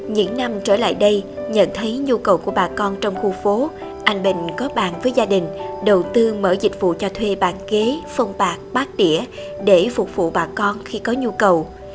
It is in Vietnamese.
những năm trở lại đây nhận thấy nhu cầu của bà con trong khu phố anh bình có bàn với gia đình đầu tư mở dịch vụ cho thuê bàn ghế phong bạc bát đĩa để phục vụ bà con khi có nhu cầu